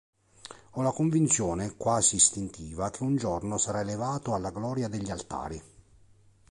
Ho la convinzione quasi istintiva che un giorno sarà elevato alla gloria degli altari.